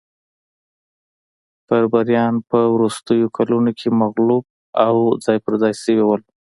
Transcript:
بربریان په وروستیو کلونو کې مغلوب او ځای پرځای شوي وو